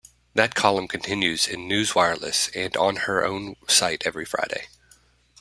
That column continues in "NewsWireless" and on her own site every Friday.